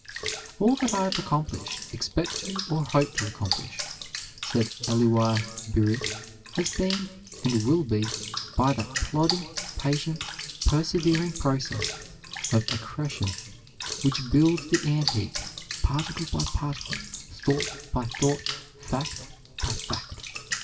"All that I have accomplished, expect to, or hope to accomplish," said Elihu Burritt, "has been and will be by that plodding, patient, persevering process of accretion which builds the ant heap particle by particle, thought by thought, fact by fact.